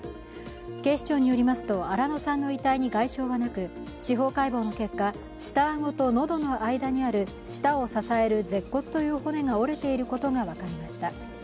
警視庁によりますと新野さんの遺体に外傷はなく司法解剖の結果、下顎と喉の間にある、舌を支える舌骨という骨が折れていることが分かりました。